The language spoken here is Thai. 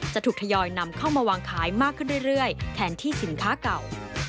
จะถูกทยอยนำเข้ามาวางขายมากขึ้นเรื่อยแทนที่สินค้าเก่า